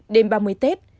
đêm ba mươi tết